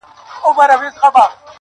• شیخه مستي مي له خُماره سره نه جوړیږي -